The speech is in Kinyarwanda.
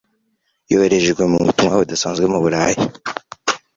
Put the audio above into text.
Yoherejwe mu butumwa budasanzwe mu Burayi.